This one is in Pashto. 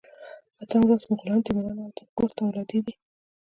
اتم لوست مغولان، تیموریان او د کرت اولادې دي.